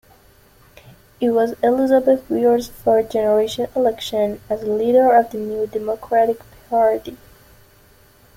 It was Elizabeth Weir's third general election as leader of the New Democratic Party.